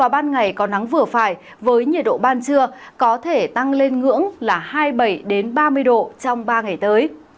ban ngày có nắng vừa phải với nhiệt độ ban trưa có thể tăng lên ngưỡng là hai mươi bảy ba mươi độ trong ba ngày tới